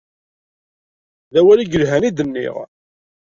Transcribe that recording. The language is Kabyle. D awal i yelhan i d-nniɣ.